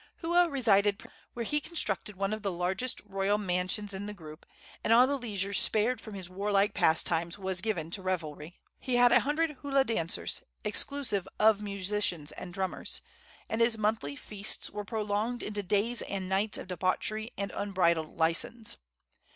Hua resided principally at Hana, where he constructed one of the largest royal mansions in the group, and all the leisure spared from his warlike pastimes was given to revelry. He had a hundred hula dancers, exclusive of musicians and drummers, and his monthly feasts were prolonged into days and nights of debauchery and unbridled license.